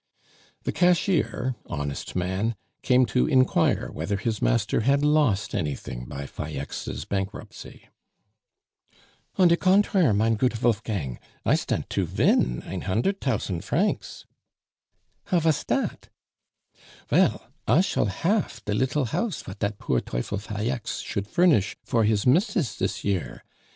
The cashier, honest man, came to inquire whether his master had lost anything by Falleix's bankruptcy. "On de contrar' mein goot Volfgang, I stant to vin ein hundert tousant francs." "How vas dat?" "Vell, I shall hafe de little house vat dat poor Teufel Falleix should furnish for his mis'ess this year.